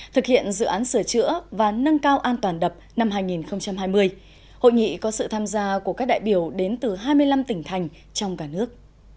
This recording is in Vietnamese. thực hiện dự án sửa chữa và nâng cao an toàn đập năm hai nghìn hai mươi hội nghị có sự tham gia của các đại biểu đến từ hai mươi năm tỉnh thành trong cả nước